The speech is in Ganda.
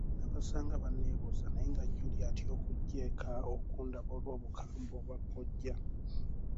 Nabasanga banneebuuza naye nga Julie atya okujja eka okundaba olw'obukambwe bwa kkojja.